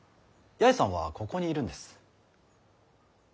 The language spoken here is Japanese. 八重さんはここにいるんです。